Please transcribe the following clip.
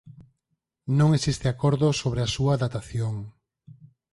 Non existe acordo sobre a súa datación.